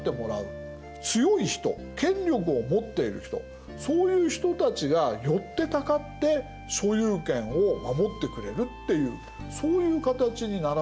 強い人権力を持っている人そういう人たちが寄ってたかって所有権を守ってくれるっていうそういう形にならざるをえない。